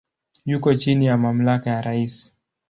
Yuko chini ya mamlaka ya rais.